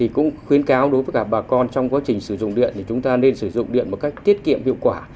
cũng khuyến cáo đối với cả bà con trong quá trình sử dụng điện thì chúng ta nên sử dụng điện một cách tiết kiệm hiệu quả